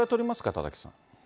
田崎さん。